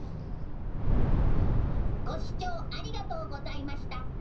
ご視聴ありがとうございました。